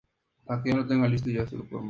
Cada pistola tiene una llave individual.